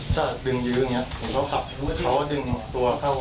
ถ้าดึงยื้ออย่างเงี้ยผมเขาขับเขาดึงตัวเข้าข้างผม